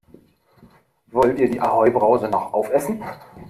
Wollt ihr die Ahoi-Brause noch aufessen?